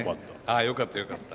あよかったよかった。